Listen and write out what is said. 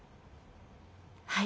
はい。